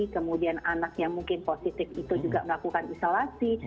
kemudian anak yang mungkin positif itu juga melakukan isolasi